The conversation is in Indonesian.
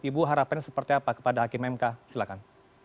ibu harapannya seperti apa kepada hakim mk silahkan